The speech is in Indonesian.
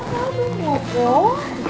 ntar dia mulejak